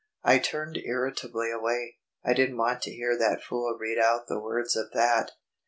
I turned irritably away. I didn't want to hear that fool read out the words of that....